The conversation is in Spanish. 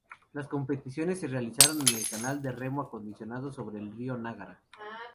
Las competiciones se realizaron en el canal de remo acondicionado sobre el río Nagara.